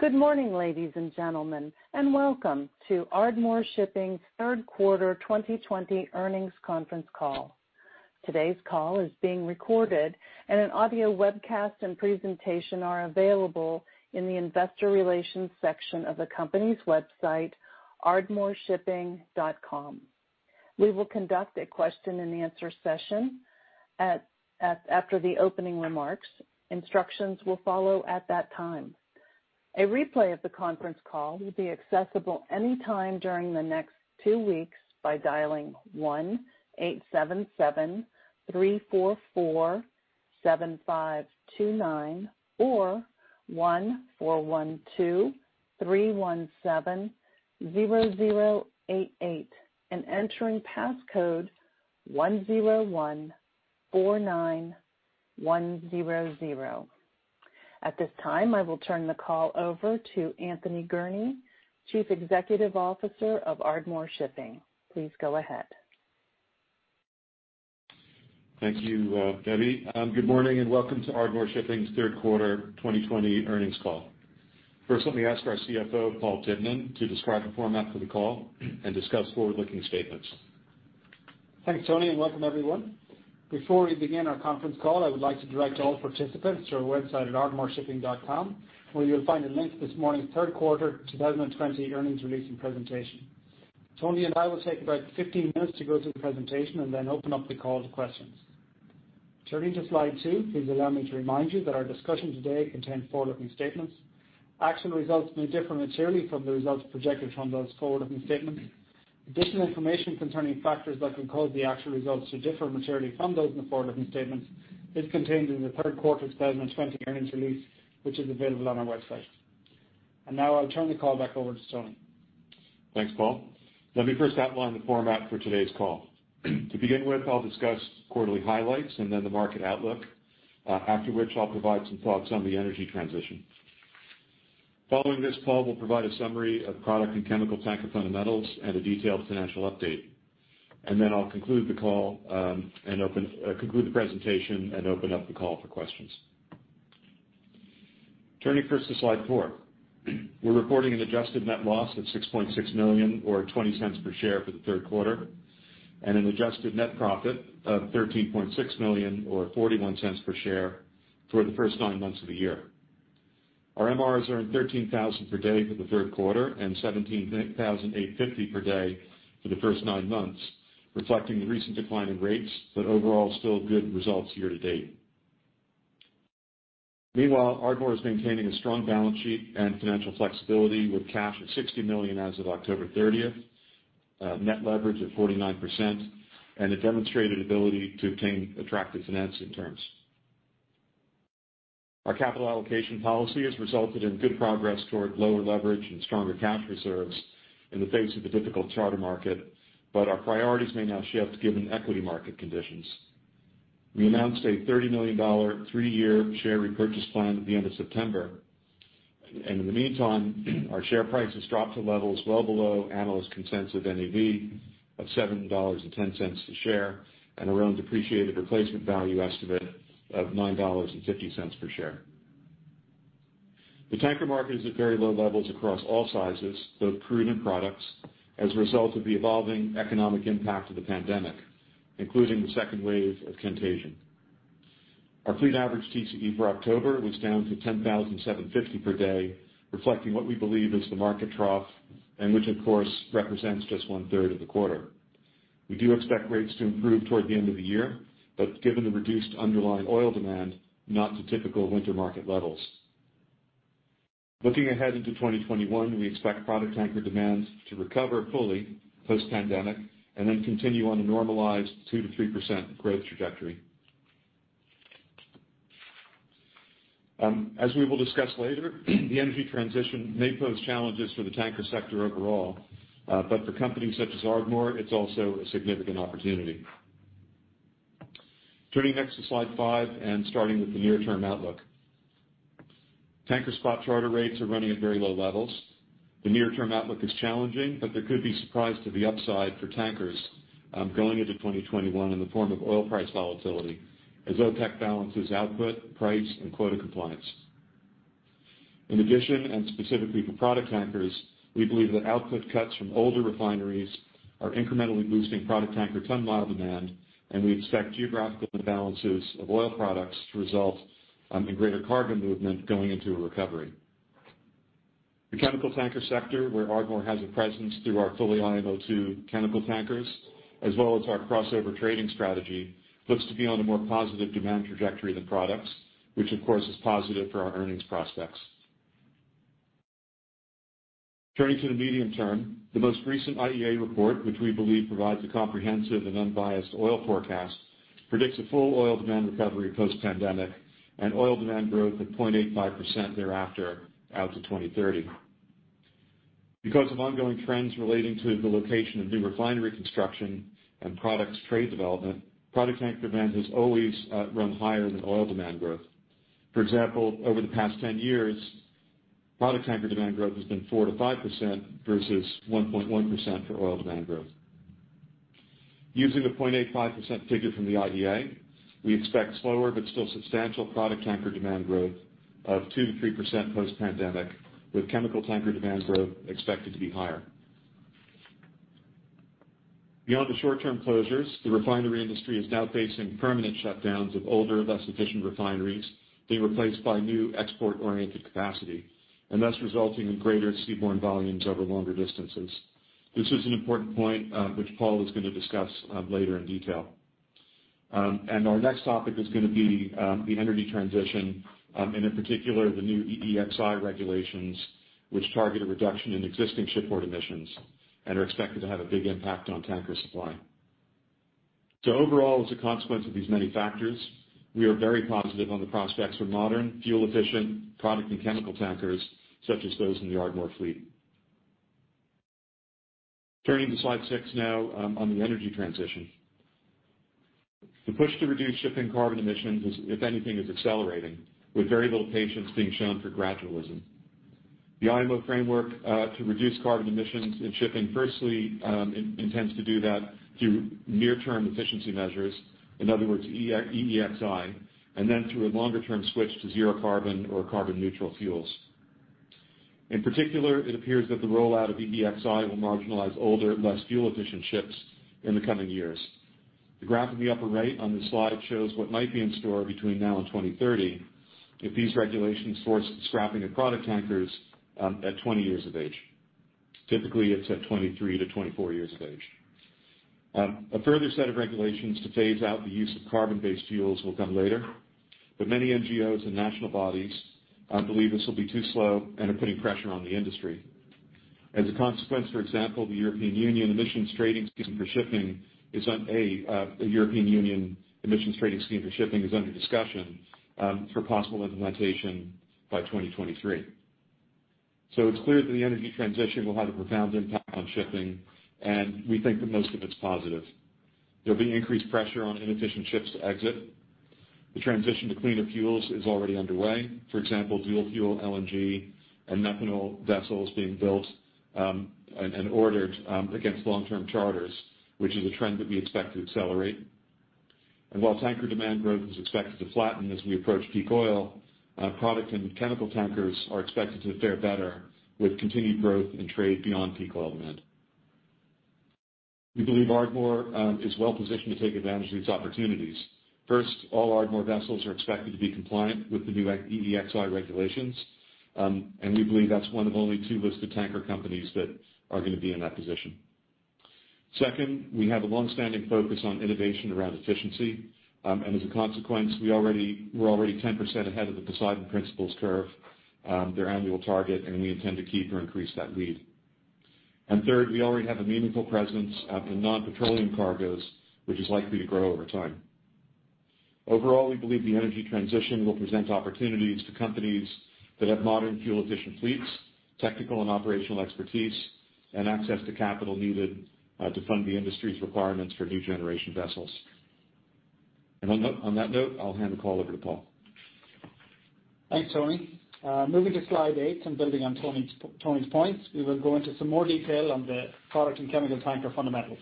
Good morning, ladies and gentlemen, and welcome to Ardmore Shipping's third quarter 2020 earnings conference call. Today's call is being recorded, and an audio webcast and presentation are available in the investor relations section of the company's website, ardmoreshipping.com. We will conduct a question-and-answer session after the opening remarks. Instructions will follow at that time. A replay of the conference call will be accessible any time during the next two weeks by dialing 1-877-344-7529 or 1-412-317-0088 and entering passcode 10149100. At this time, I will turn the call over to Anthony Gurnee, Chief Executive Officer of Ardmore Shipping. Please go ahead. Thank you, Debbie. Good morning, and welcome to Ardmore Shipping's third quarter 2020 earnings call. First, let me ask our CFO, Paul Tivnan, to describe the format for the call and discuss forward-looking statements. Thanks, Tony, and welcome, everyone. Before we begin our conference call, I would like to direct all participants to our website at ardmoreshipping.com, where you'll find a link to this morning's third quarter 2020 earnings release and presentation. Tony and I will take about 15 minutes to go through the presentation and then open up the call to questions. Turning to slide two, please allow me to remind you that our discussion today contains forward-looking statements. Actual results may differ materially from the results projected from those forward-looking statements. Additional information concerning factors that could cause the actual results to differ materially from those in the forward-looking statements is contained in the third quarter 2020 earnings release, which is available on our website. Now I'll turn the call back over to Tony. Thanks, Paul. Let me first outline the format for today's call. To begin with, I'll discuss quarterly highlights and then the market outlook, after which I'll provide some thoughts on the energy transition. Following this, Paul will provide a summary of product and chemical tanker fundamentals and a detailed financial update. Then I'll conclude the presentation and open up the call for questions. Turning first to slide four. We're reporting an adjusted net loss of $6.6 million or $0.20 per share for the third quarter, and an adjusted net profit of $13.6 million or $0.41 per share for the first nine months of the year. Our MRs earned $13,000 per day for the third quarter and $17,850 per day for the first nine months, reflecting the recent decline in rates, but overall still good results year to date. Meanwhile, Ardmore is maintaining a strong balance sheet and financial flexibility, with cash at $60 million as of October 30, net leverage of 49%, and a demonstrated ability to obtain attractive financing terms. Our capital allocation policy has resulted in good progress toward lower leverage and stronger cash reserves in the face of the difficult charter market, but our priorities may now shift given equity market conditions. We announced a $30 million, 3-year share repurchase plan at the end of September, and in the meantime, our share price has dropped to levels well below analyst consensus NAV of $7.10 a share and around depreciated replacement value estimate of $9.50 per share. The tanker market is at very low levels across all sizes, both crude and products, as a result of the evolving economic impact of the pandemic, including the second wave of contagion. Our fleet average TCE for October was down to 10,750 per day, reflecting what we believe is the market trough, and which, of course, represents just 1/3 of the quarter. We do expect rates to improve toward the end of the year, but given the reduced underlying oil demand, not to typical winter market levels. Looking ahead into 2021, we expect product tanker demand to recover fully post-pandemic, and then continue on a normalized 2%-3% growth trajectory. As we will discuss later, the energy transition may pose challenges for the tanker sector overall, but for companies such as Ardmore, it's also a significant opportunity. Turning next to slide 5 and starting with the near-term outlook. Tanker spot charter rates are running at very low levels. The near-term outlook is challenging, but there could be surprise to the upside for tankers, going into 2021 in the form of oil price volatility as OPEC balances output, price, and quota compliance. In addition, and specifically for product tankers, we believe that output cuts from older refineries are incrementally boosting product tanker ton mile demand, and we expect geographical imbalances of oil products to result in greater cargo movement going into a recovery. The chemical tanker sector, where Ardmore has a presence through our fully IMO II chemical tankers, as well as our crossover trading strategy, looks to be on a more positive demand trajectory than products, which, of course, is positive for our earnings prospects. Turning to the medium term, the most recent IEA report, which we believe provides a comprehensive and unbiased oil forecast, predicts a full oil demand recovery post-pandemic and oil demand growth of 0.85% thereafter out to 2030. Because of ongoing trends relating to the location of new refinery construction and products trade development, product tanker demand has always run higher than oil demand growth. For example, over the past 10 years, product tanker demand growth has been 4%-5% versus 1.1% for oil demand growth. Using the 0.85% figure from the IEA, we expect slower but still substantial product tanker demand growth of 2%-3% post-pandemic, with chemical tanker demand growth expected to be higher. Beyond the short-term closures, the refinery industry is now facing permanent shutdowns of older, less efficient refineries being replaced by new export-oriented capacity, and thus resulting in greater seaborne volumes over longer distances. This is an important point, which Paul is going to discuss later in detail. And our next topic is going to be the energy transition, and in particular, the new EEXI regulations, which target a reduction in existing shipboard emissions and are expected to have a big impact on tanker supply. So overall, as a consequence of these many factors, we are very positive on the prospects for modern, fuel-efficient product and chemical tankers, such as those in the Ardmore fleet. Turning to slide six now, on the energy transition. The push to reduce shipping carbon emissions is, if anything, accelerating, with very little patience being shown for gradualism. The IMO framework to reduce carbon emissions in shipping, firstly, intends to do that through near-term efficiency measures, in other words, EEXI, and then through a longer-term switch to zero carbon or carbon-neutral fuels. In particular, it appears that the rollout of EEXI will marginalize older, less fuel-efficient ships in the coming years. The graph in the upper right on this slide shows what might be in store between now and 2030 if these regulations force the scrapping of product tankers at 20 years of age. Typically, it's at 23-24 years of age. A further set of regulations to phase out the use of carbon-based fuels will come later, but many NGOs and national bodies believe this will be too slow and are putting pressure on the industry. As a consequence, for example, the European Union Emissions Trading Scheme for Shipping is under discussion for possible implementation by 2023. So it's clear that the energy transition will have a profound impact on shipping, and we think that most of it's positive. There'll be increased pressure on inefficient ships to exit. The transition to cleaner fuels is already underway. For example, dual-fuel, LNG, and methanol vessels being built and ordered against long-term charters, which is a trend that we expect to accelerate. While tanker demand growth is expected to flatten as we approach peak oil, product and chemical tankers are expected to fare better with continued growth in trade beyond peak oil demand. We believe Ardmore is well positioned to take advantage of these opportunities. First, all Ardmore vessels are expected to be compliant with the new EEXI regulations, and we believe that's one of only two listed tanker companies that are going to be in that position. Second, we have a long-standing focus on innovation around efficiency, and as a consequence, we already are already 10% ahead of the Poseidon Principles curve, their annual target, and we intend to keep or increase that lead. And third, we already have a meaningful presence in non-petroleum cargoes, which is likely to grow over time. Overall, we believe the energy transition will present opportunities to companies that have modern, fuel-efficient fleets, technical and operational expertise, and access to capital needed to fund the industry's requirements for new generation vessels. And on that note, I'll hand the call over to Paul. Thanks, Tony. Moving to slide 8 and building on Tony's points, we will go into some more detail on the product and chemical tanker fundamentals.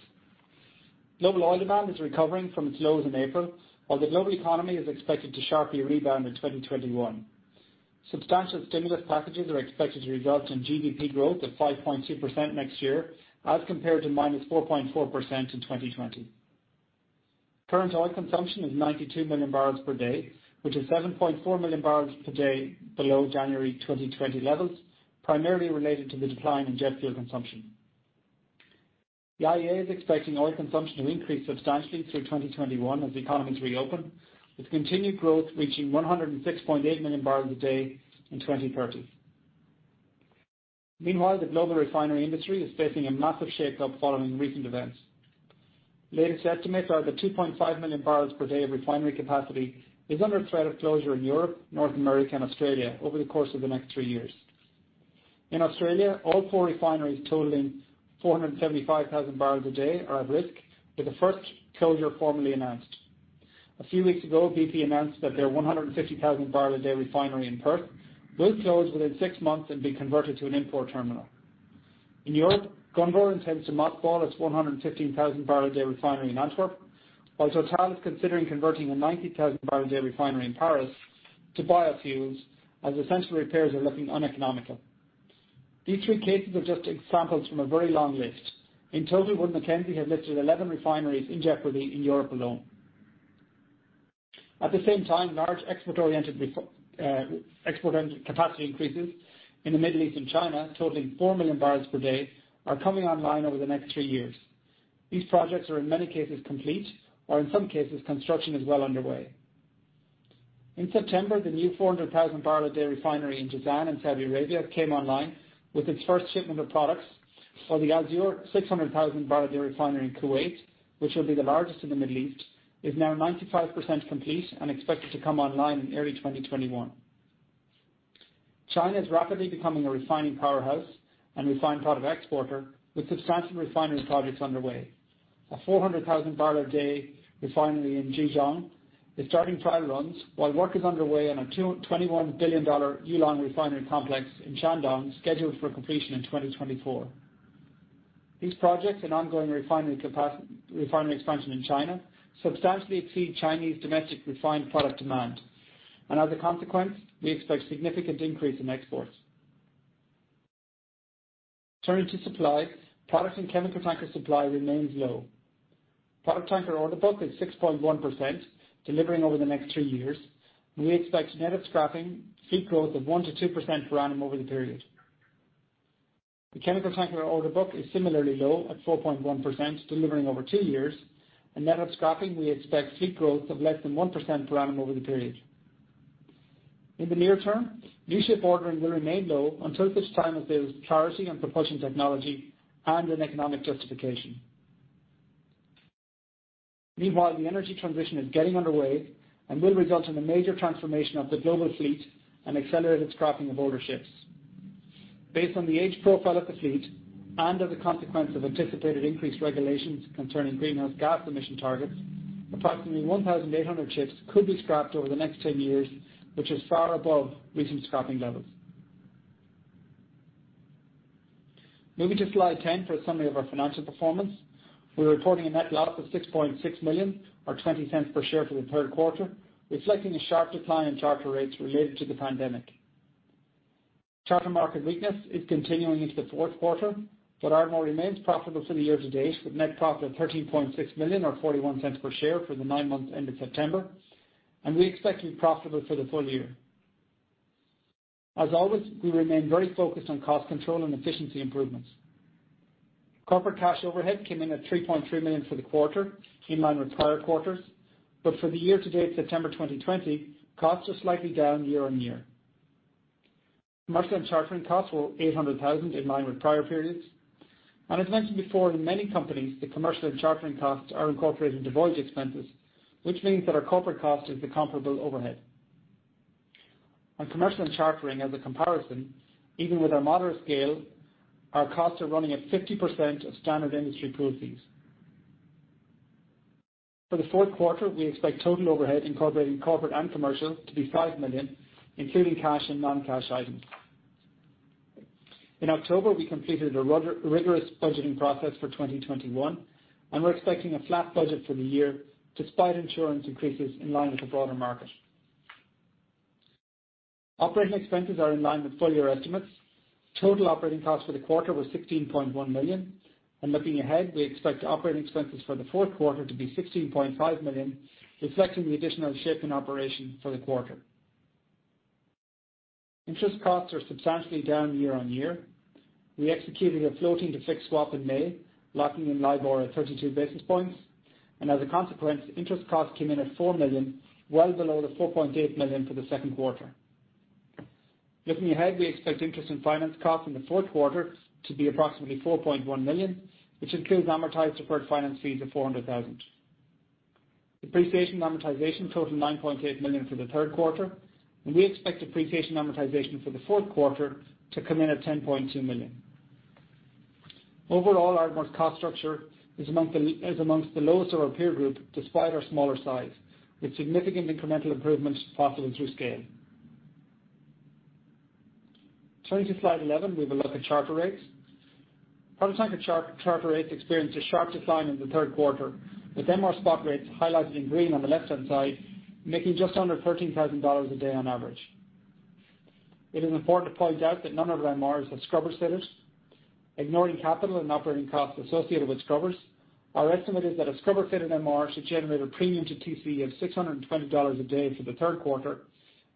Global oil demand is recovering from its lows in April, while the global economy is expected to sharply rebound in 2021. Substantial stimulus packages are expected to result in GDP growth of 5.2% next year, as compared to -4.4% in 2020. Current oil consumption is 92 million barrels per day, which is 7.4 million barrels per day below January 2020 levels, primarily related to the decline in jet fuel consumption. The IEA is expecting oil consumption to increase substantially through 2021 as the economies reopen, with continued growth reaching 106.8 million barrels a day in 2030. Meanwhile, the global refinery industry is facing a massive shakeup following recent events. Latest estimates are that 2.5 million barrels per day of refinery capacity is under threat of closure in Europe, North America, and Australia over the course of the next three years. In Australia, all four refineries totaling 475,000 barrels a day are at risk, with the first closure formally announced. A few weeks ago, BP announced that their 150,000 barrel a day refinery in Perth will close within six months and be converted to an import terminal. In Europe, Gunvor intends to mothball its 115,000 barrel a day refinery in Antwerp, while Total is considering converting a 90,000 barrel a day refinery in Paris to biofuels, as essential repairs are looking uneconomical. These three cases are just examples from a very long list. In total, Wood Mackenzie has listed 11 refineries in jeopardy in Europe alone. At the same time, large export-oriented capacity increases in the Middle East and China, totaling 4 million barrels per day, are coming online over the next 3 years. These projects are, in many cases, complete, or in some cases, construction is well underway. In September, the new 400,000-barrel-a-day refinery in Jazan, in Saudi Arabia, came online with its first shipment of products, while the Al-Zour 600,000-barrel-a-day refinery in Kuwait, which will be the largest in the Middle East, is now 95% complete and expected to come online in early 2021. China is rapidly becoming a refining powerhouse and refined product exporter, with substantial refinery projects underway. A 400,000-barrel-a-day refinery in Zhejiang is starting trial runs, while work is underway on a $21 billion Yulong refinery complex in Shandong, scheduled for completion in 2024. These projects and ongoing refinery expansion in China substantially exceed Chinese domestic refined product demand, and as a consequence, we expect significant increase in exports. Turning to supply, product and chemical tanker supply remains low. Product tanker order book is 6.1%, delivering over the next three years, and we expect net of scrapping, fleet growth of 1%-2% per annum over the period. The chemical tanker order book is similarly low at 4.1%, delivering over two years, and net of scrapping, we expect fleet growth of less than 1% per annum over the period. In the near term, new ship ordering will remain low until such time as there is clarity on propulsion technology and an economic justification. Meanwhile, the energy transition is getting underway and will result in a major transformation of the global fleet and accelerated scrapping of older ships. Based on the age profile of the fleet and as a consequence of anticipated increased regulations concerning greenhouse gas emission targets, approximately 1,800 ships could be scrapped over the next 10 years, which is far above recent scrapping levels. Moving to slide 10 for a summary of our financial performance. We're reporting a net loss of $6.6 million, or $0.20 per share for the third quarter, reflecting a sharp decline in charter rates related to the pandemic. Charter market weakness is continuing into the fourth quarter, but Ardmore remains profitable for the year to date, with net profit of $13.6 million, or $0.41 per share for the nine months ended September, and we expect to be profitable for the full year. As always, we remain very focused on cost control and efficiency improvements. Corporate cash overhead came in at $3.3 million for the quarter, in line with prior quarters, but for the year to date, September 2020, costs are slightly down year-over-year. Commercial and chartering costs were $800,000, in line with prior periods, and as mentioned before, in many companies, the commercial and chartering costs are incorporated into voyage expenses, which means that our corporate cost is the comparable overhead. On commercial and chartering, as a comparison, even with our moderate scale, our costs are running at 50% of standard industry pool fees. For the fourth quarter, we expect total overhead, incorporating corporate and commercial, to be $5 million, including cash and non-cash items. In October, we completed a rigorous budgeting process for 2021, and we're expecting a flat budget for the year, despite insurance increases in line with the broader market. Operating expenses are in line with full year estimates. Total operating costs for the quarter was $16.1 million, and looking ahead, we expect operating expenses for the fourth quarter to be $16.5 million, reflecting the additional ship in operation for the quarter. Interest costs are substantially down year-on-year. We executed a floating to fixed swap in May, locking in LIBOR at 32 basis points, and as a consequence, interest costs came in at $4 million, well below the $4.8 million for the second quarter. Looking ahead, we expect interest and finance costs in the fourth quarter to be approximately $4.1 million, which includes amortized deferred finance fees of $400,000. Depreciation and amortization totaled $9.8 million for the third quarter, and we expect depreciation and amortization for the fourth quarter to come in at $10.2 million. Overall, Ardmore's cost structure is amongst the lowest of our peer group, despite our smaller size, with significant incremental improvements possible through scale. Turning to slide 11, we have a look at charter rates. Product tanker charter rates experienced a sharp decline in the third quarter, with MR spot rates highlighted in green on the left-hand side, making just under $13,000 a day on average. It is important to point out that none of our MRs have scrubbers. Ignoring capital and operating costs associated with scrubbers, our estimate is that a scrubber-fitted MR should generate a premium to TCE of $620 a day for the third quarter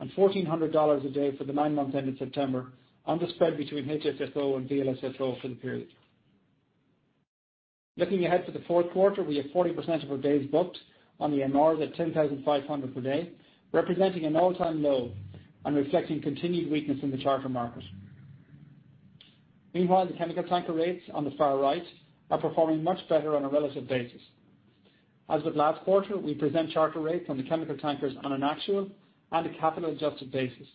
and $1,400 a day for the nine months ending September, on the spread between HSFO and VLSFO for the period. Looking ahead to the fourth quarter, we have 40% of our days booked on the MRs at $10,500 per day, representing an all-time low and reflecting continued weakness in the charter market. Meanwhile, the chemical tanker rates on the far right are performing much better on a relative basis. As with last quarter, we present charter rates on the chemical tankers on an actual and a capital adjusted basis.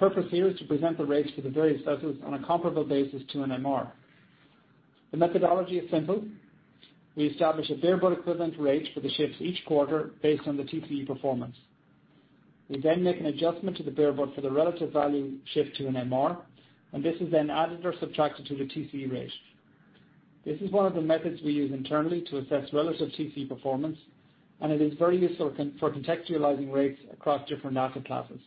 The purpose here is to present the rates for the various vessels on a comparable basis to an MR. The methodology is simple. We establish a bareboat equivalent rate for the ships each quarter based on the TCE performance. We then make an adjustment to the bareboat for the relative value ship to an MR, and this is then added or subtracted to the TCE rate. This is one of the methods we use internally to assess relative TCE performance, and it is very useful for contextualizing rates across different asset classes.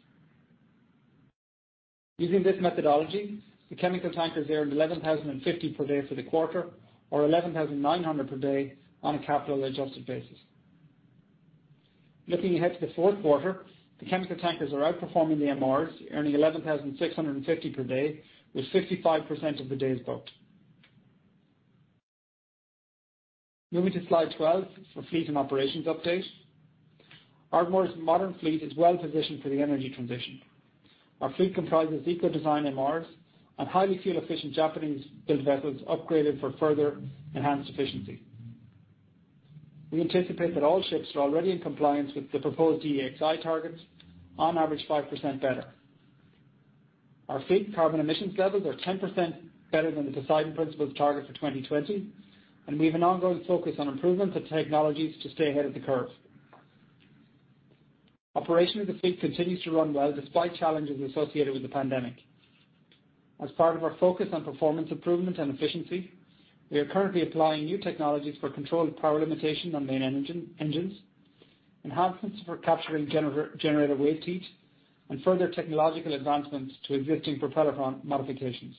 Using this methodology, the chemical tankers earned $11,050 per day for the quarter, or $11,900 per day on a capital adjusted basis. Looking ahead to the fourth quarter, the chemical tankers are outperforming the MRs, earning $11,650 per day, with 55% of the days booked. Moving to slide 12 for fleet and operations update. Ardmore's modern fleet is well positioned for the energy transition. Our fleet comprises eco-designed MRs and highly fuel-efficient Japanese-built vessels upgraded for further enhanced efficiency. We anticipate that all ships are already in compliance with the proposed EEXI targets, on average, 5% better. Our fleet carbon emissions levels are 10% better than the Poseidon Principles target for 2020, and we have an ongoing focus on improvements and technologies to stay ahead of the curve. Operation of the fleet continues to run well, despite challenges associated with the pandemic. As part of our focus on performance improvement and efficiency, we are currently applying new technologies for controlled power limitation on main engine, engines, enhancements for capturing generated waste heat, and further technological advancements to existing propeller modifications.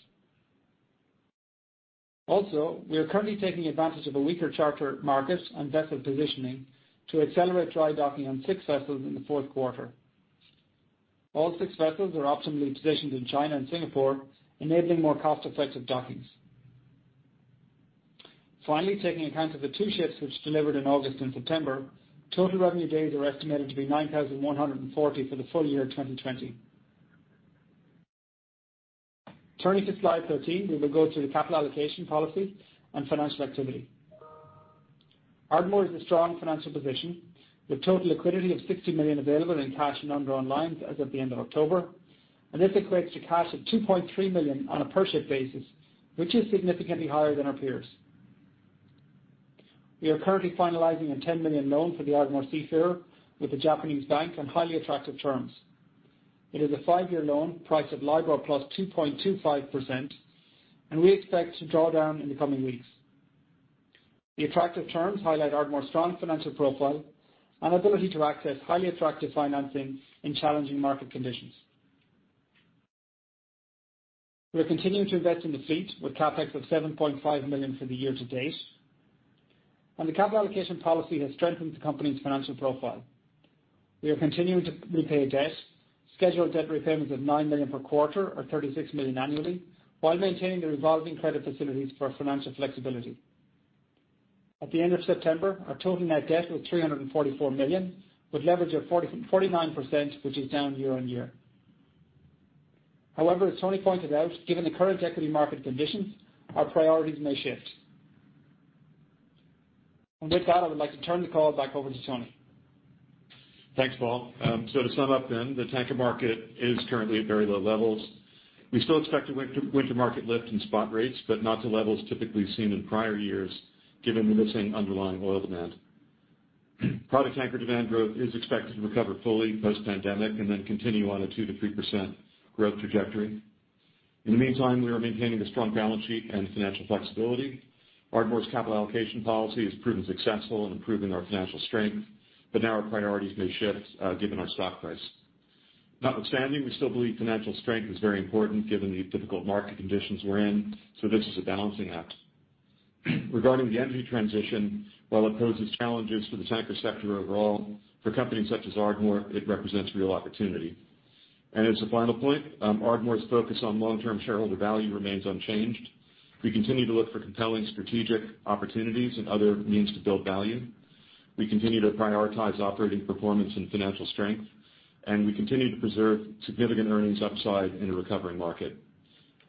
Also, we are currently taking advantage of a weaker charter market and vessel positioning to accelerate dry docking on six vessels in the fourth quarter. All six vessels are optimally positioned in China and Singapore, enabling more cost-effective dockings. Finally, taking account of the two ships which delivered in August and September, total revenue days are estimated to be 9,140 for the full year 2020. Turning to slide 13, we will go to the capital allocation policy and financial activity. Ardmore has a strong financial position, with total liquidity of $60 million available in cash and undrawn lines as of the end of October, and this equates to cash of $2.3 million on a per ship basis, which is significantly higher than our peers. We are currently finalizing a $10 million loan for the Ardmore Seafarer with a Japanese bank on highly attractive terms. It is a 5-year loan, priced at LIBOR plus 2.25%, and we expect to draw down in the coming weeks. The attractive terms highlight Ardmore's strong financial profile and ability to access highly attractive financing in challenging market conditions. We are continuing to invest in the fleet with CapEx of $7.5 million for the year to date, and the capital allocation policy has strengthened the company's financial profile. We are continuing to repay debt, scheduled debt repayments of $9 million per quarter, or $36 million annually, while maintaining the revolving credit facilities for financial flexibility. At the end of September, our total net debt was $344 million, with leverage of 49%, which is down year-on-year. However, as Tony pointed out, given the current equity market conditions, our priorities may shift. And with that, I would like to turn the call back over to Tony. Thanks, Paul. So to sum up then, the tanker market is currently at very low levels. We still expect a winter market lift in spot rates, but not to levels typically seen in prior years, given the missing underlying oil demand. Product tanker demand growth is expected to recover fully post-pandemic and then continue on a 2%-3% growth trajectory. In the meantime, we are maintaining a strong balance sheet and financial flexibility. Ardmore's capital allocation policy has proven successful in improving our financial strength, but now our priorities may shift, given our stock price. Notwithstanding, we still believe financial strength is very important given the difficult market conditions we're in, so this is a balancing act. Regarding the energy transition, while it poses challenges for the tanker sector overall, for companies such as Ardmore, it represents real opportunity. As a final point, Ardmore's focus on long-term shareholder value remains unchanged. We continue to look for compelling strategic opportunities and other means to build value. We continue to prioritize operating performance and financial strength, and we continue to preserve significant earnings upside in a recovering market.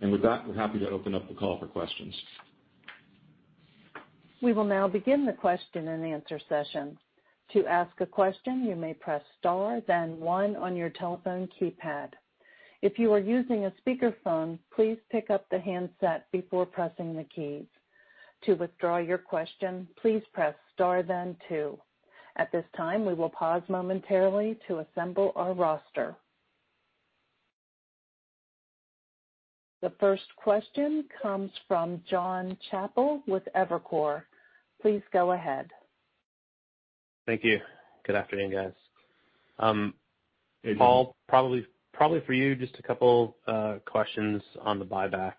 With that, we're happy to open up the call for questions. We will now begin the question and answer session. To ask a question, you may press star then one on your telephone keypad. If you are using a speakerphone, please pick up the handset before pressing the keys. To withdraw your question, please press star then two. At this time, we will pause momentarily to assemble our roster. The first question comes from John Chappell with Evercore. Please go ahead. Thank you. Good afternoon, guys. Hey, John. Paul, probably, probably for you, just a couple questions on the buyback,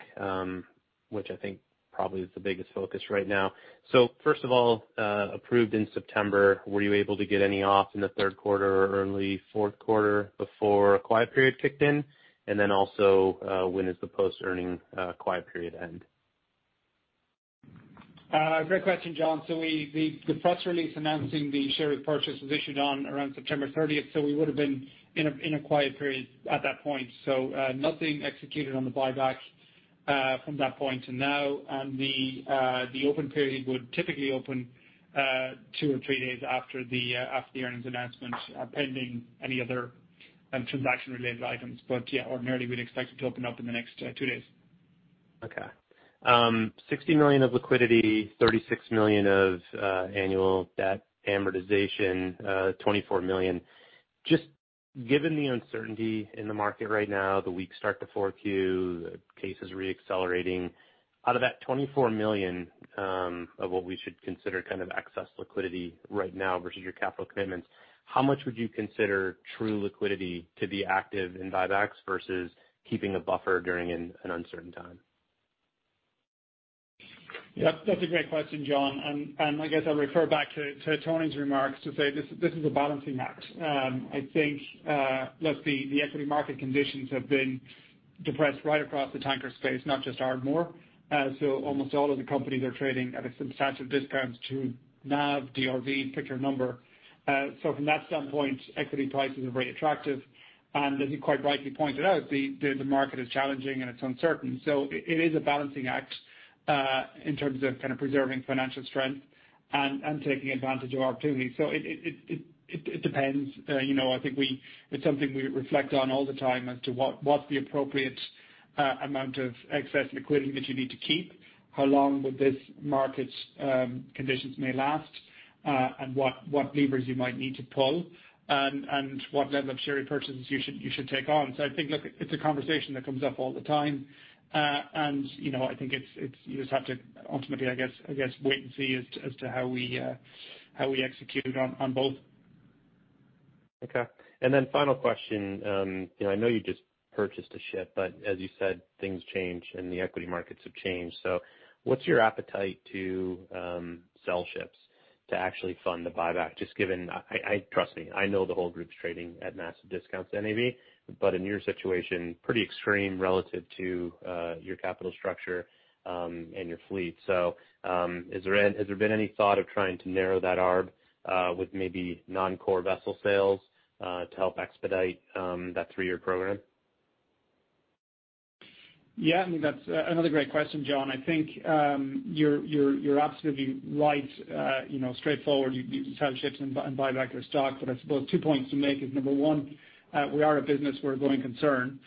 which I think probably is the biggest focus right now. So first of all, approved in September, were you able to get any off in the third quarter or early fourth quarter before a quiet period kicked in? And then also, when does the post-earnings quiet period end? Great question, John. So, the press release announcing the share repurchase was issued on around September thirtieth, so we would have been in a quiet period at that point. So, nothing executed on the buyback from that point to now. And the open period would typically open two or three days after the earnings announcement, pending any other transaction-related items. But yeah, ordinarily, we'd expect it to open up in the next two days. Okay. $60 million of liquidity, $36 million of annual debt amortization, $24 million. Just given the uncertainty in the market right now, the weak start to 4Q, cases reaccelerating, out of that $24 million, of what we should consider kind of excess liquidity right now versus your capital commitments, how much would you consider true liquidity to be active in buybacks versus keeping a buffer during an uncertain time? Yep, that's a great question, John, and I guess I'll refer back to Tony's remarks to say this, this is a balancing act. I think, look, the equity market conditions have been depressed right across the tanker space, not just Ardmore. So almost all of the companies are trading at a substantial discount to NAV, DRV, pick your number. So from that standpoint, equity prices are very attractive, and as you quite rightly pointed out, the market is challenging and it's uncertain, so it is a balancing act. So in terms of kind of preserving financial strength and taking advantage of opportunities. So it depends. You know, I think we—it's something we reflect on all the time as to what, what's the appropriate amount of excess liquidity that you need to keep, how long would this market's conditions may last, and what, what levers you might need to pull, and, and what level of share repurchases you should, you should take on. So I think, look, it's a conversation that comes up all the time. And, you know, I think it's— you just have to ultimately, I guess, I guess, wait and see as to, as to how we, how we execute on, on both. Okay. And then final question. You know, I know you just purchased a ship, but as you said, things change, and the equity markets have changed. So what's your appetite to sell ships to actually fund the buyback, just given. Trust me, I know the whole group's trading at massive discounts, NAV, but in your situation, pretty extreme relative to your capital structure and your fleet. So, is there has there been any thought of trying to narrow that arb with maybe non-core vessel sales to help expedite that three-year program? Yeah, I mean, that's another great question, John. I think, you're absolutely right, you know, straightforward, you sell ships and buy back your stock. But I suppose two points to make is, number one, we are a business, we're a growing concern,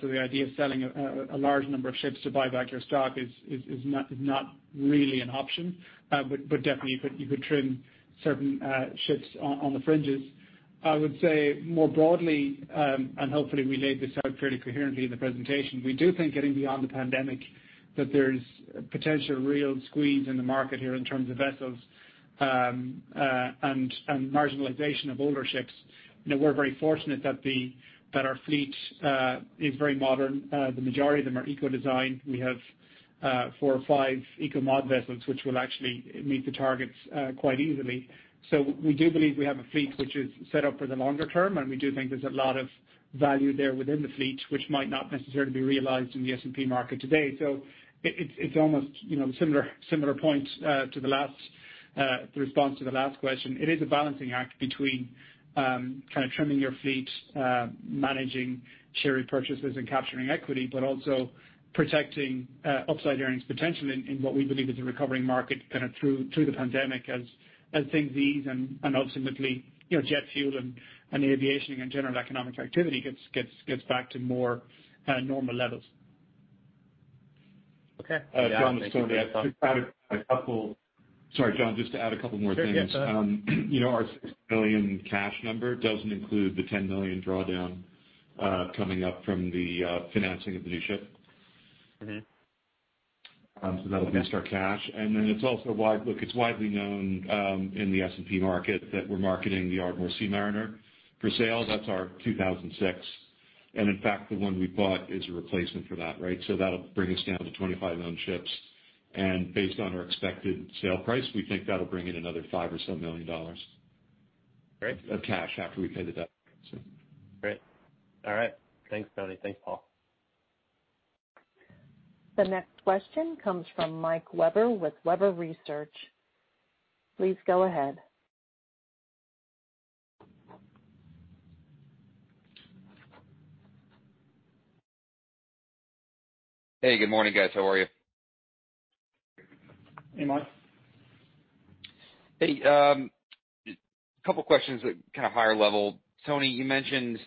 so the idea of selling a large number of ships to buy back your stock is not really an option. But definitely, you could trim certain ships on the fringes. I would say more broadly, and hopefully, we laid this out fairly coherently in the presentation, we do think getting beyond the pandemic, that there's potential real squeeze in the market here in terms of vessels, and marginalization of older ships. You know, we're very fortunate that our fleet is very modern. The majority of them are eco-designed. We have four or five eco-mod vessels, which will actually meet the targets quite easily. So we do believe we have a fleet which is set up for the longer term, and we do think there's a lot of value there within the fleet, which might not necessarily be realized in the S&P market today. So it, it's, it's almost, you know, similar, similar point to the last, the response to the last question. It is a balancing act between kind of trimming your fleet, managing share repurchases and capturing equity, but also protecting upside earnings potential in what we believe is a recovering market, kind of through the pandemic as things ease and ultimately, you know, jet fuel and aviation and general economic activity gets back to more normal levels. Okay. Sorry, John, just to add a couple more things. Sure, yeah, go ahead. You know, our $60 billion cash number doesn't include the $10 million drawdown coming up from the financing of the new ship. So that'll boost our cash. And then it's also – look, it's widely known in the S&P market that we're marketing the Ardmore Seamariner for sale. That's our 2006, and in fact, the one we bought is a replacement for that, right? So that'll bring us down to 25 owned ships, and based on our expected sale price, we think that'll bring in another $5 million or so of cash after we pay the debt. So. Great. All right. Thanks, Tony. Thanks, Paul. The next question comes from Mike Webber with Webber Research. Please go ahead. Hey, good morning, guys. How are you? Hey, Mike. Hey, couple questions, kind of higher level. Tony, you mentioned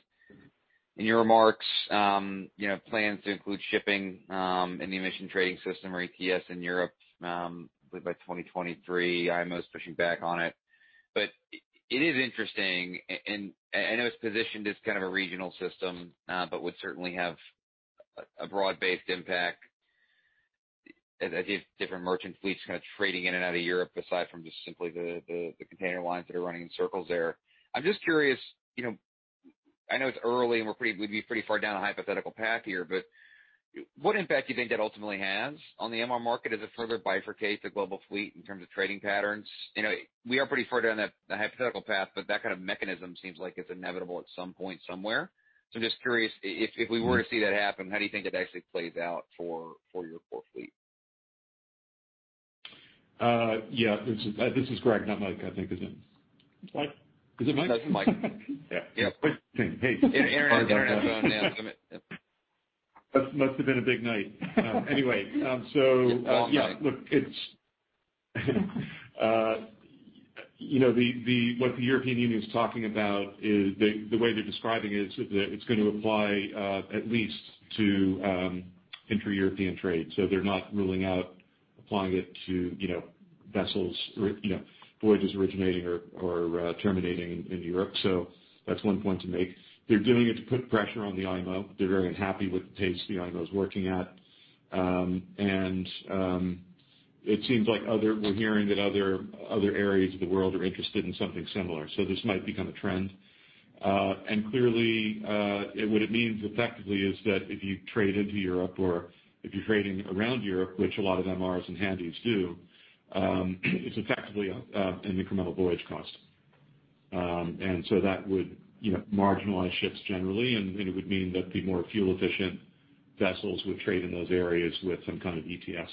in your remarks, you know, plans to include shipping in the Emissions Trading System, or ETS, in Europe, by 2023. IMO's pushing back on it. But it is interesting, and I know it's positioned as kind of a regional system, but would certainly have a broad-based impact, as I see different merchant fleets kind of trading in and out of Europe, aside from just simply the container lines that are running in circles there. I'm just curious, you know, I know it's early, and we'd be pretty far down a hypothetical path here, but what impact do you think that ultimately has on the MR market? Does it further bifurcate the global fleet in terms of trading patterns? You know, we are pretty far down that, the hypothetical path, but that kind of mechanism seems like it's inevitable at some point somewhere. So I'm just curious, if we were to see that happen, how do you think it actually plays out for your core fleet? Yeah. This is Greg, not Mike, I think is in. Mike? Is it Mike? That's Mike. Yeah. Yep. Hey. Internet, internet phone now. Must have been a big night. Anyway, Long night. Yeah, look, it's you know, the, the what the European Union is talking about is... The, the way they're describing it is that it's going to apply, at least to, inter-European trade. So they're not ruling out applying it to, you know, vessels, or, you know, voyages originating or, terminating in Europe. So that's one point to make. They're doing it to put pressure on the IMO. They're very unhappy with the pace the IMO is working at. And it seems like other- we're hearing that other, other areas of the world are interested in something similar, so this might become a trend. And clearly, what it means effectively is that if you trade into Europe or if you're trading around Europe, which a lot of MRs and Handys do, it's effectively, an incremental voyage cost. And so that would, you know, marginalize ships generally, and, and it would mean that the more fuel-efficient vessels would trade in those areas with some kind of ETS,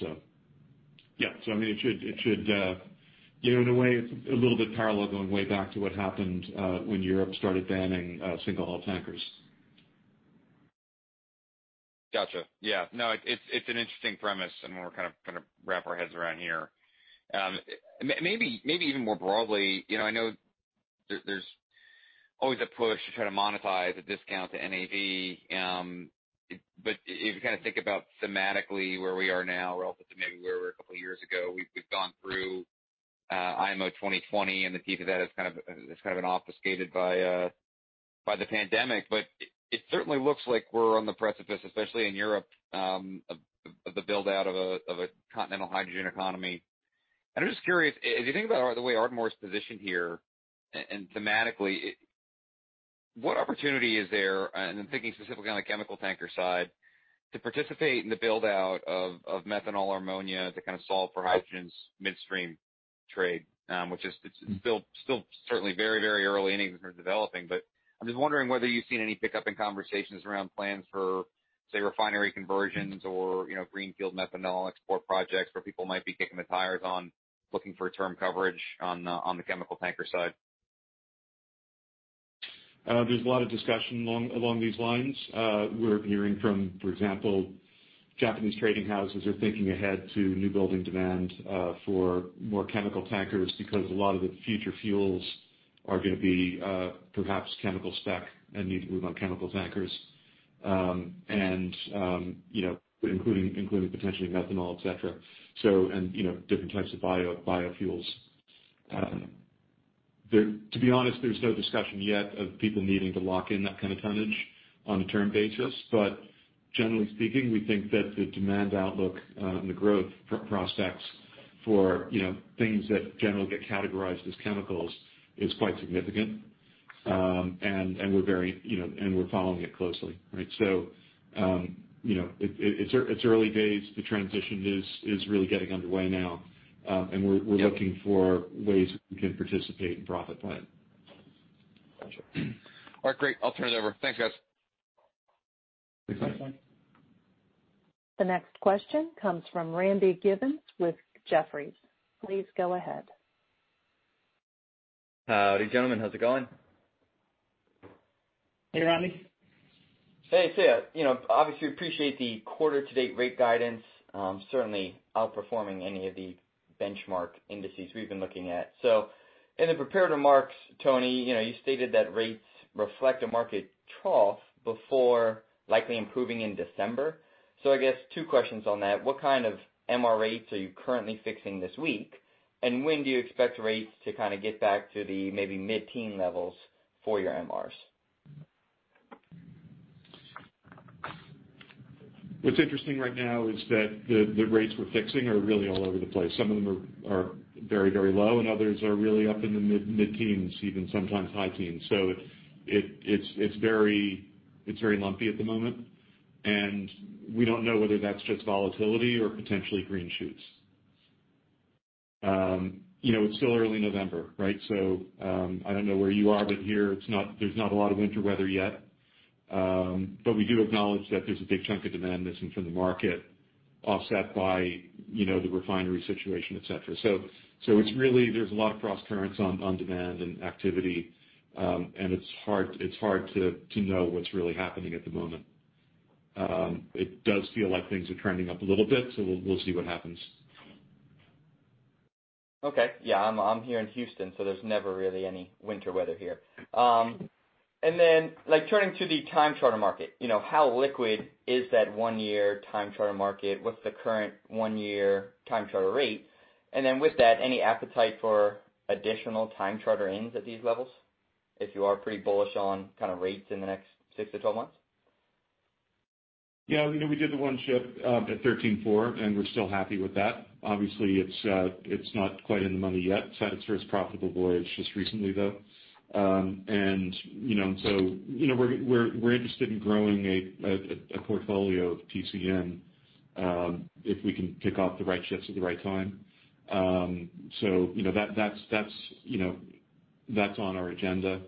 so. Yeah. So I mean, it should, it should, you know, in a way, it's a little bit parallel, going way back to what happened, when Europe started banning single-hull tankers. Gotcha. Yeah. No, it's an interesting premise, and we're kind of trying to wrap our heads around here. Maybe even more broadly, you know, I know there's always a push to try to monetize a discount to NAV. But if you kind of think about thematically where we are now relative to maybe where we were a couple of years ago, we've gone through IMO 2020, and the peak of that is kind of been obfuscated by the pandemic. But it certainly looks like we're on the precipice, especially in Europe, of the build-out of a continental hydrogen economy. I'm just curious, if you think about the way Ardmore is positioned here, and thematically, what opportunity is there, and I'm thinking specifically on the chemical tanker side, to participate in the build-out of methanol or ammonia to kind of solve for hydrogen's midstream trade, which is still certainly very early innings for developing. But I'm just wondering whether you've seen any pickup in conversations around plans for, say, refinery conversions or, you know, greenfield methanol export projects where people might be kicking the tires on looking for term coverage on the chemical tanker side. There's a lot of discussion along these lines. We're hearing from, for example, Japanese trading houses are thinking ahead to new building demand for more chemical tankers because a lot of the future fuels are gonna be perhaps chemical spec and need to move on chemical tankers. And you know, including potentially methanol, et cetera. So and you know, different types of biofuels. To be honest, there's no discussion yet of people needing to lock in that kind of tonnage on a term basis. But generally speaking, we think that the demand outlook and the growth prospects for you know, things that generally get categorized as chemicals is quite significant. And we're very you know, and we're following it closely, right? So you know, it's early days. The transition is really getting underway now, and we're we're looking for ways that we can participate and profit by it. Gotcha. All right, great. I'll turn it over. Thanks, guys. Thanks. The next question comes from Randy Giveans with Jefferies. Please go ahead. Howdy, gentlemen. How's it going? Hey, Randy. Hey, yeah. You know, obviously, appreciate the quarter-to-date rate guidance, certainly outperforming any of the benchmark indices we've been looking at. So in the prepared remarks, Tony, you know, you stated that rates reflect a market trough before likely improving in December. So I guess two questions on that: What kind of MR rates are you currently fixing this week? And when do you expect rates to kind of get back to the maybe mid-teen levels for your MRs? What's interesting right now is that the rates we're fixing are really all over the place. Some of them are very, very low, and others are really up in the mid-teens, even sometimes high teens. So it's very lumpy at the moment, and we don't know whether that's just volatility or potentially green shoots. You know, it's still early November, right? So I don't know where you are, but here, it's not—there's not a lot of winter weather yet. But we do acknowledge that there's a big chunk of demand missing from the market, offset by, you know, the refinery situation, et cetera. So it's really there's a lot of crosscurrents on demand and activity, and it's hard to know what's really happening at the moment. It does feel like things are trending up a little bit, so we'll see what happens. Okay. Yeah, I'm here in Houston, so there's never really any winter weather here. And then, like, turning to the time charter market, you know, how liquid is that 1-year time charter market? What's the current 1-year time charter rate? And then with that, any appetite for additional time charter ends at these levels, if you are pretty bullish on kind of rates in the next 6-12 months? Yeah, you know, we did the one ship at $13.4, and we're still happy with that. Obviously, it's not quite in the money yet. It's had its first profitable voyage just recently, though. You know, we're interested in growing a portfolio of TC if we can pick off the right ships at the right time. You know, that's on our agenda.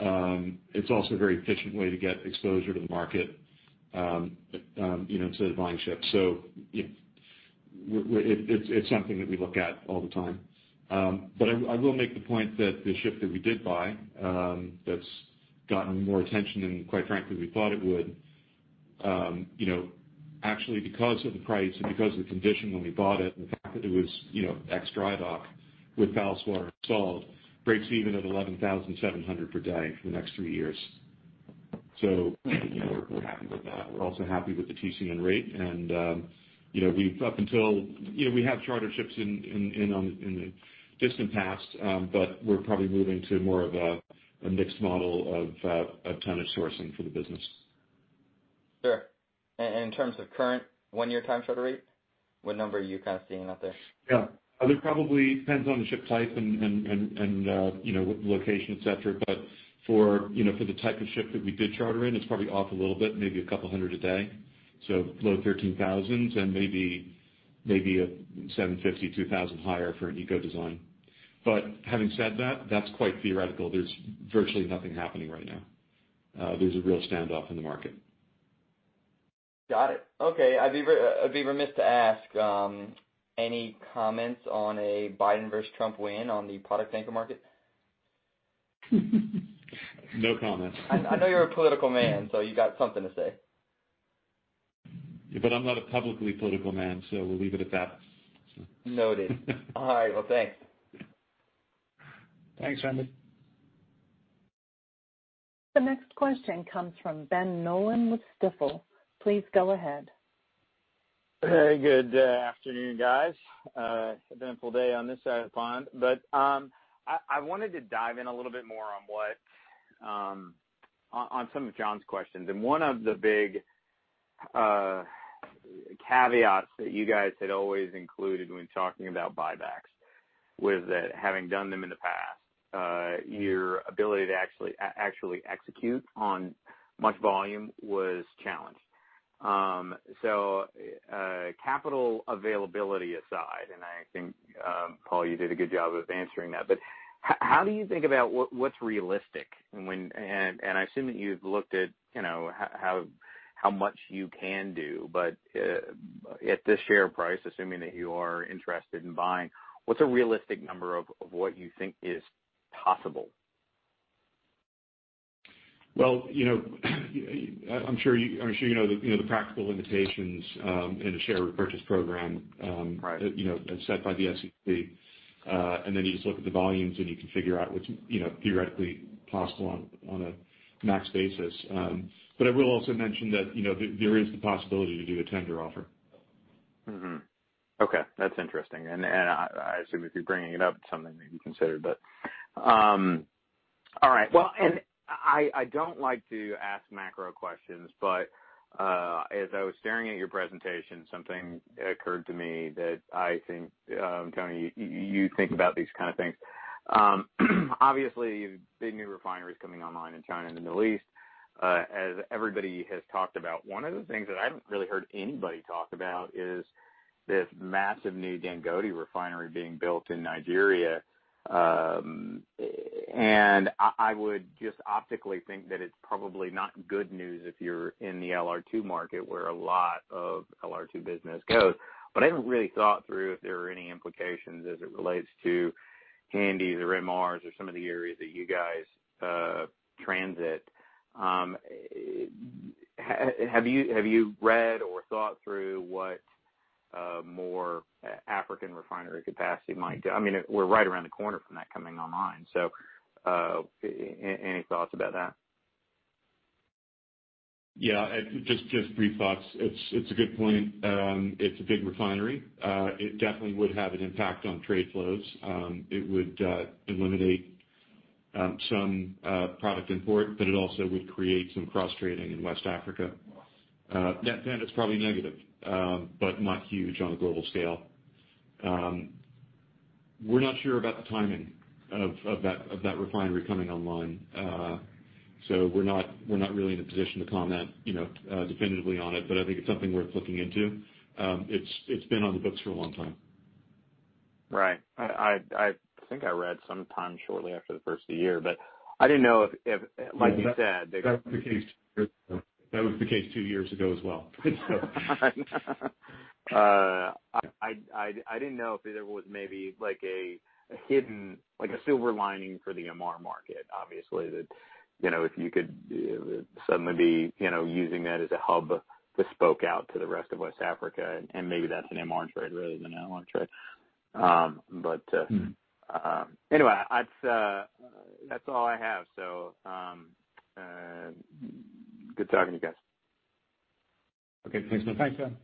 It's also a very efficient way to get exposure to the market, you know, instead of buying ships. So it's something that we look at all the time. But I will make the point that the ship that we did buy, that's gotten more attention than quite frankly, we thought it would. You know, actually, because of the price and because of the condition when we bought it, and the fact that it was, you know, ex dry dock with ballast water installed, breaks even at $11,700 per day for the next three years. So, you know, we're happy with that. We're also happy with the TCE rate, and, you know, we've up until, you know, we have chartered ships in the distant past, but we're probably moving to more of a mixed model of a ton of sourcing for the business. Sure. And in terms of current one-year time charter rate, what number are you kind of seeing out there? Yeah. There probably depends on the ship type and, you know, location, et cetera. But for, you know, for the type of ship that we did charter in, it's probably off a little bit, maybe $200 a day, so low 13,000s and maybe $750-$2,000 higher for an eco-design. But having said that, that's quite theoretical. There's virtually nothing happening right now. There's a real standoff in the market. Got it. Okay, I'd be, I'd be remiss to ask any comments on a Biden versus Trump win on the product tanker market? No comment. I know you're a political man, so you've got something to say. But I'm not a publicly political man, so we'll leave it at that. Noted. All right, well, thanks. Thanks, Randy. The next question comes from Ben Nolan with Stifel. Please go ahead. Very good, afternoon, guys. Eventful day on this side of the pond. But, I wanted to dive in a little bit more on what, on some of John's questions. And one of the big caveats that you guys had always included when talking about buybacks was that having done them in the past, your ability to actually, actually execute on much volume was challenged. So, capital availability aside, and I think, Paul, you did a good job of answering that, but how do you think about what, what's realistic when... And I assume that you've looked at, you know, how much you can do, but at this share price, assuming that you are interested in buying, what's a realistic number of what you think is possible? Well, you know, I'm sure you know the practical limitations in a share repurchase program. You know, as set by the SEC. And then you just look at the volumes, and you can figure out what's, you know, theoretically possible on a max basis. But I will also mention that, you know, there is the possibility to do a tender offer. Okay, that's interesting, and I assume if you're bringing it up, it's something may be considered. But all right. Well, I don't like to ask macro questions, but as I was staring at your presentation, something occurred to me that I think Tony, you think about these kind of things. Obviously, big new refineries coming online in China and the Middle East. As everybody has talked about, one of the things that I haven't really heard anybody talk about is this massive new Dangote refinery being built in Nigeria, and I would just optically think that it's probably not good news if you're in the LR2 market, where a lot of LR2 business goes. But I haven't really thought through if there are any implications as it relates to Handy or MRs or some of the areas that you guys transit. Have you read or thought through what more African refinery capacity might do? I mean, we're right around the corner from that coming online, so any thoughts about that? Yeah, just brief thoughts. It's a good point. It's a big refinery. It definitely would have an impact on trade flows. It would eliminate some product import, but it also would create some cross-trading in West Africa. Net, it's probably negative, but not huge on a global scale. We're not sure about the timing of that refinery coming online. So we're not really in a position to comment, you know, definitively on it, but I think it's something worth looking into. It's been on the books for a long time. Right. I think I read sometime shortly after the first of the year, but I didn't know if, like you said- That was the case, that was the case two years ago as well. I didn't know if there was maybe, like, a hidden, like a silver lining for the MR market, obviously, that, you know, if you could suddenly be, you know, using that as a hub to spoke out to the rest of West Africa, and maybe that's an MR trade rather than an LR trade. But, Anyway, that's all I have, so, good talking to you guys. Okay, thanks. Thanks, Ben.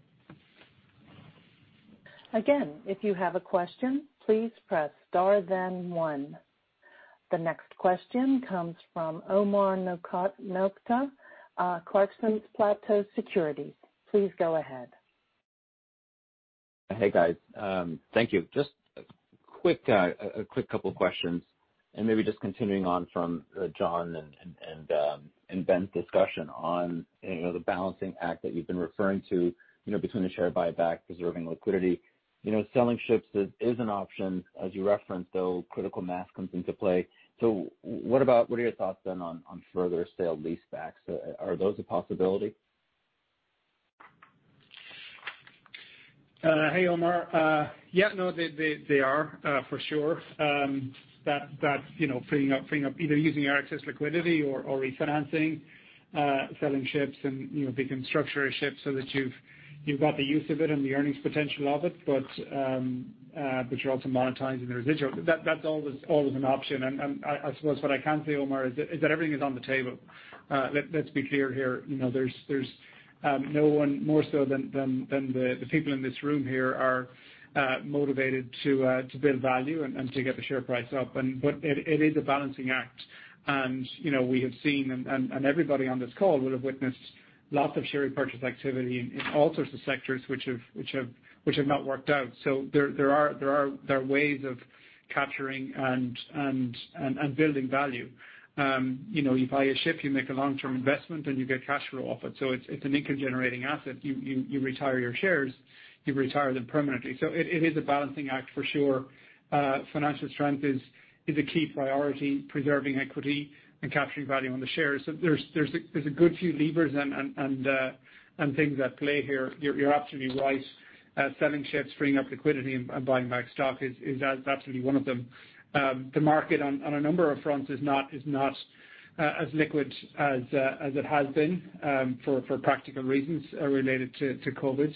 Again, if you have a question, please press star then one. The next question comes from Omar Nokta, Clarksons Platou Securities. Please go ahead. Hey, guys. Thank you. Just a quick couple of questions, and maybe just continuing on from John and Ben's discussion on, you know, the balancing act that you've been referring to, you know, between the share buyback, preserving liquidity. You know, selling ships is an option, as you referenced, though critical mass comes into play. So what about what are your thoughts then on further sale leasebacks? Are those a possibility? Hey, Omar. Yeah, no, they are for sure. That's, you know, freeing up, either using our excess liquidity or refinancing, selling ships and, you know, deconstructing ships so that you've got the use of it and the earnings potential of it, but you're also monetizing the residual. That's always an option. I suppose what I can say, Omar, is that everything is on the table. Let's be clear here, you know, there's no one more so than the people in this room here are motivated to build value and to get the share price up. But it is a balancing act. And, you know, we have seen, everybody on this call will have witnessed lots of share repurchase activity in all sorts of sectors which have not worked out. So there are ways of capturing and building value. You know, you buy a ship, you make a long-term investment, and you get cash flow off it. So it's an income-generating asset. You retire your shares, you retire them permanently. So it is a balancing act, for sure. Financial strength is a key priority, preserving equity and capturing value on the shares. So there's a good few levers and things at play here. You're absolutely right. Selling ships, freeing up liquidity and buying back stock is absolutely one of them. The market on a number of fronts is not as liquid as it has been for practical reasons related to COVID.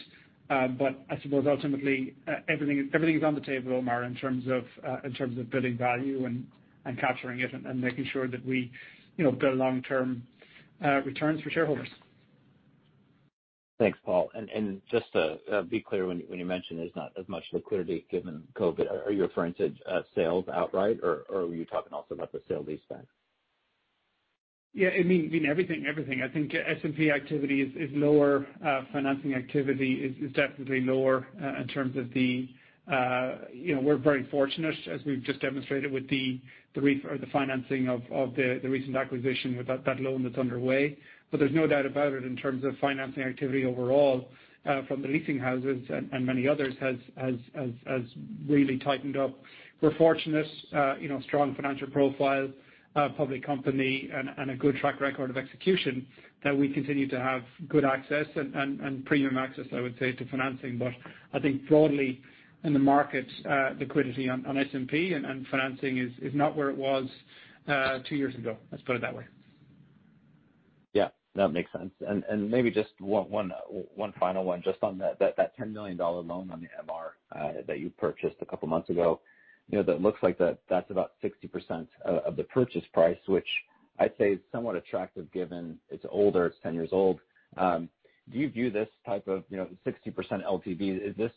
But I suppose ultimately everything is on the table, Omar, in terms of building value and capturing it and making sure that we, you know, build long-term returns for shareholders. Thanks, Paul. And just to be clear, when you mention there's not as much liquidity given COVID, are you referring to sales outright, or were you talking also about the sale-leaseback? Yeah, I mean, in everything, everything. I think S&P activity is lower. Financing activity is definitely lower, in terms of the, you know, we're very fortunate, as we've just demonstrated with the refinancing of the recent acquisition with that loan that's underway. But there's no doubt about it, in terms of financing activity overall, from the leasing houses and many others, has really tightened up. We're fortunate, you know, strong financial profile, public company, and a good track record of execution, that we continue to have good access and premium access, I would say, to financing. But I think broadly in the markets, liquidity on S&P and financing is not where it was two years ago. Let's put it that way. Yeah, that makes sense. And maybe just one final one just on that. That $10 million loan on the MR that you purchased a couple months ago, you know, that looks like that's about 60% of the purchase price, which I'd say is somewhat attractive, given it's older, it's 10 years old. Do you view this type of, you know, 60% LTV, is this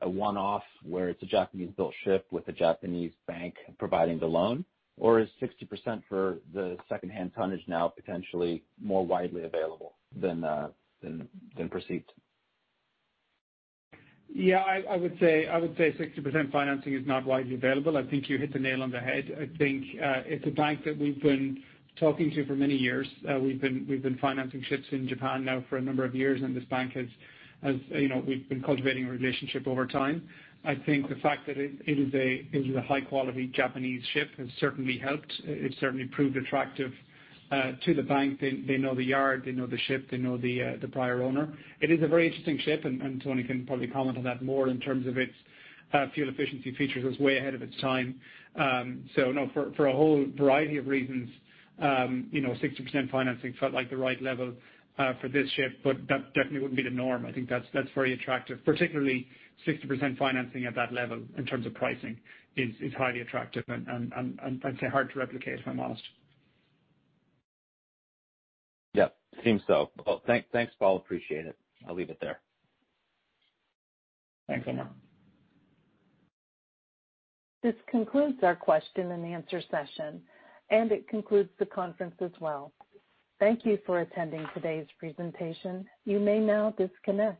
a one-off, where it's a Japanese-built ship with a Japanese bank providing the loan? Or is 60% for the secondhand tonnage now potentially more widely available than perceived? Yeah, I would say 60% financing is not widely available. I think you hit the nail on the head. I think it's a bank that we've been talking to for many years. We've been financing ships in Japan now for a number of years, and this bank has, you know, we've been cultivating a relationship over time. I think the fact that it is a high-quality Japanese ship has certainly helped. It certainly proved attractive to the bank. They know the yard, they know the ship, they know the prior owner. It is a very interesting ship, and Tony can probably comment on that more in terms of its fuel efficiency features. It was way ahead of its time. So no, for a whole variety of reasons, you know, 60% financing felt like the right level for this ship, but that definitely wouldn't be the norm. I think that's very attractive. Particularly, 60% financing at that level, in terms of pricing, is highly attractive and I'd say hard to replicate, if I'm honest. Yep, seems so. Well, thanks, Paul. Appreciate it. I'll leave it there. Thanks, Omar. This concludes our question and answer session, and it concludes the conference as well. Thank you for attending today's presentation. You may now disconnect.